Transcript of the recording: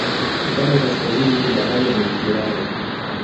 Upande wa kaskazini ipo bahari ya Mediterania